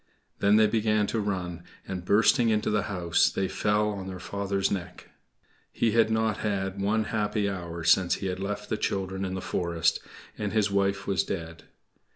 Then they began to run, and, bursting into the house, they fell on their father's neck. He had not had one happy hour since he had left the children in the forest; and his wife was dead.